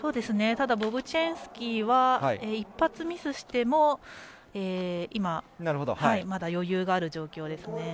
ただ、ボブチンスキーは１発ミスしてもまだ余裕がある状況ですね。